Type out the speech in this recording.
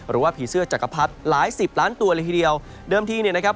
หรือว่าผีเสื้อจักรพรรดิหลายสิบล้านตัวเลยทีเดียวเดิมทีเนี่ยนะครับ